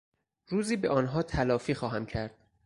روزی به آنها تلافی خواهم کرد!